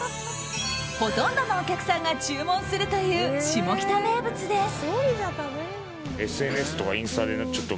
ほとんどのお客さんが注文するという下北名物です。